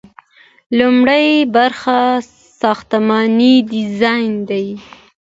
لومړی برخه ساختماني ډیزاین دی.